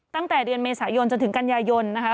ตั้งแต่เดือนเมษายนจนถึงกันยายนนะคะ